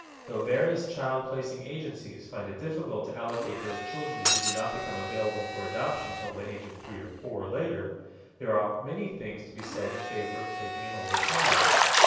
Though various child placing agencies find it difficult to allocate those children who do not become available for adoption till the age of three or four or later, there are many things to be said in favor of taking an older child.